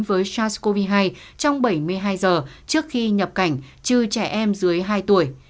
với sars cov hai trong bảy mươi hai giờ trước khi nhập cảnh trừ trẻ em dưới hai tuổi